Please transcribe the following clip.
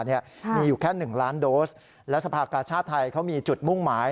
มีอยู่แค่๑ล้านโดสและสภากาชาติไทยเขามีจุดมุ่งหมาย